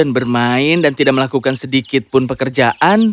aku bisa bermain dan tidak melakukan sedikit pun pekerjaan